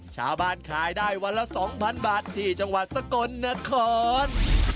ขายได้วันละ๒๐๐๐บาทที่จังหวัดสกลนคร